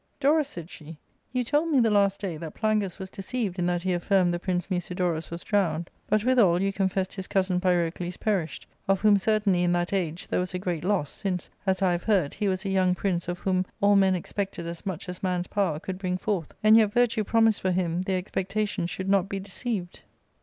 ^Book IL " Dorus,'* said she, " you told me the last day that Plangus was deceived in that he affirmed the Prince Musidorus was drowned ; but withal you confessed his cousin Pyrocles perished, of whom certainly in that age there was a great loss, since, as I have heard, he was a young prince of whom all men expected as much as man's power could bring forth ; and yet virtue promised for him their expectation should not be deceived."